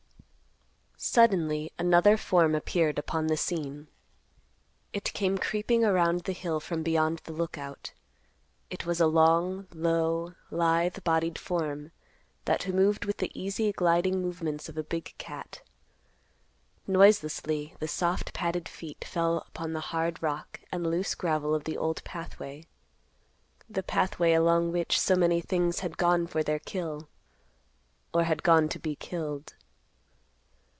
Suddenly another form appeared upon the scene. It came creeping around the hill from beyond the Lookout. It was a long, low, lithe bodied, form that moved with the easy, gliding movements of a big cat. Noiselessly the soft padded feet fell upon the hard rock and loose gravel of the old pathway; the pathway along which so many things had gone for their kill, or had gone to be killed.